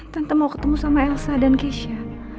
tante mau ketemu sama elsa dan keisha